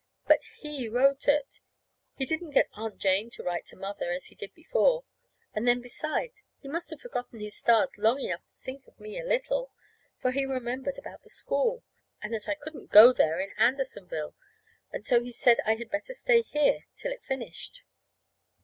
But he wrote it. He didn't get Aunt Jane to write to Mother, as he did before. And then, besides, he must have forgotten his stars long enough to think of me a little for he remembered about the school, and that I couldn't go there in Andersonville, and so he said I had better stay here till it finished.